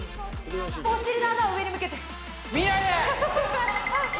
お尻の穴を上に向けて。